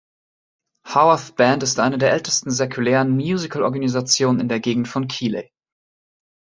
Haworth Band ist einer der ältesten säkularen Musical-Organisationen in der Gegend von Keighley.